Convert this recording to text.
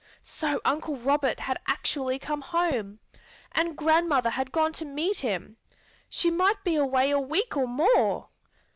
So Uncle Robert had actually come home! And grandmother had gone to meet him! She might be away a week or more.